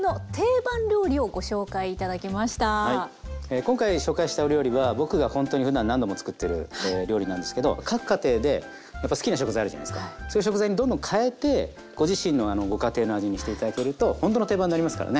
今回紹介したお料理は僕がほんとにふだん何度もつくってる料理なんですけど各家庭でやっぱ好きな食材あるじゃないですかそういう食材にどんどん変えてご自身のご家庭の味にして頂けるとほんとの定番なりますからね。